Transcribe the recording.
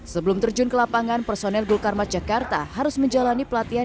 sebelum terjun ke lapangan personel gulkarmat jakarta harus menjalani pelatihan